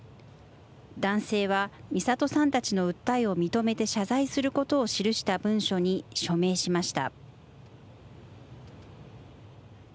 男性はみさとさんたちの訴えを認めて謝罪することを記した文書に署名しました。